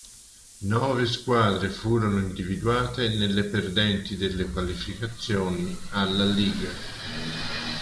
Nove squadre furono individuate nelle perdenti delle qualificazioni alla Liga.